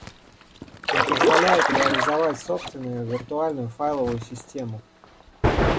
Он позволяет реализовать собственную виртуальную файловую систему